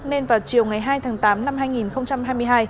nên vào chiều ngày hai tháng tám năm hai nghìn hai mươi hai